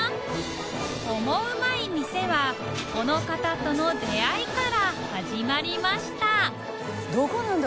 オモウマい店はこの方との出会いから始まりましたどこなんだ？